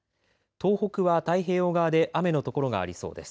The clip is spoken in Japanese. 東北は太平洋側で雨の所がありそうです。